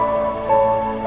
aku mau pergi